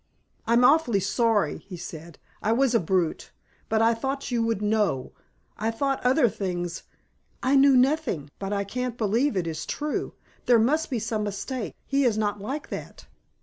"I'm awfully sorry," he said. "I was a brute. But I thought you would know I thought other things " "I knew nothing, but I can't believe it is true. There must be some mistake. He is not like that."